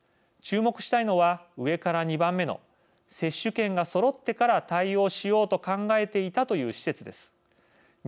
注目したいのは、上から２番目の「接種券がそろってから対応しようと考えていた」という施設です。